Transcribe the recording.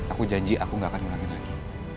aku janji aku gak akan mengambil lagi